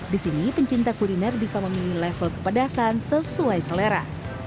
di sini pencinta kuliner bisa memilih level kepedasan sesuai selera